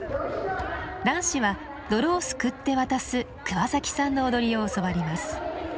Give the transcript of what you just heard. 男子は泥をすくって渡すくわ先さんの踊りを教わります。